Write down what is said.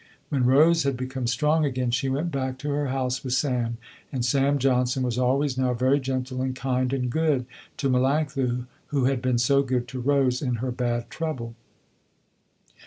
When Rose had become strong again she went back to her house with Sam. And Sam Johnson was always now very gentle and kind and good to Melanctha who had been so good to Rose in her bad trouble.